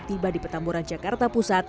tiba di petamburan jakarta pusat